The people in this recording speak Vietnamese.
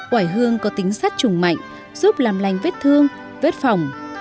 quả hương có tính sát trùng mạnh giúp làm lành vết thương vết phòng